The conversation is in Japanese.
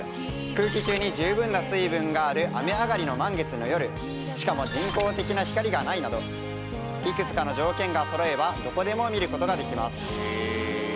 空気中に十分な水分がある雨上がりの満月の夜しかも人工的な光がないなどいくつかの条件がそろえばどこでも見ることができます。